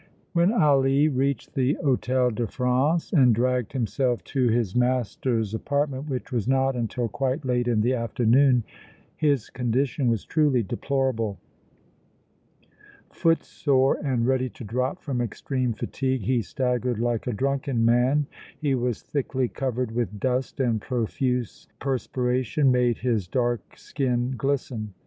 When Ali reached the Hôtel de France and dragged himself to his master's apartment, which was not until quite late in the afternoon, his condition was truly deplorable. Footsore and ready to drop from extreme fatigue, he staggered like a drunken man. He was thickly covered with dust and profuse perspiration made his dark skin glisten.